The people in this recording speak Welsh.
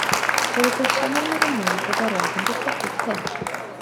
Doedd y gweision a'r morynion brodorol ddim byd tebyg i hyn.